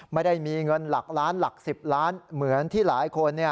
ไม่ได้มีเงินหลักล้านหลัก๑๐ล้านเหมือนที่หลายคน